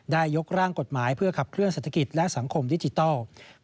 ยกร่างกฎหมายเพื่อขับเคลื่อเศรษฐกิจและสังคมดิจิทัล